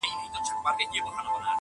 نه نجلۍ یې له فقیره سوای غوښتلای!